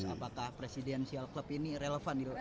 apakah presidensial club ini relevan di rolanda